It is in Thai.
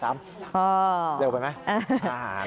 เร็วไปไหม